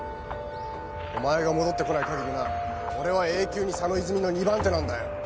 お前が戻ってこないかぎりな俺は永久に「佐野泉の２番手」なんだよ。